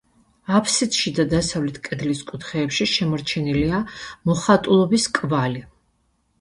აფსიდში და დასავლეთ კედლის კუთხეებში შემორჩენილია მოხატულობის კვალი.